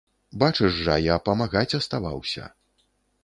Бачыш жа, я памагаць аставаўся.